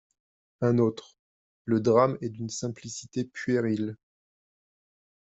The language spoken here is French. Un autre :« Le drame est d’une simplicité puérile.